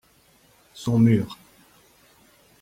Son mur.